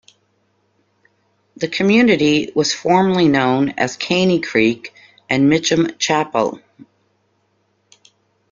The community was formerly known as "Caney Creek" and "Mitcham Chapel".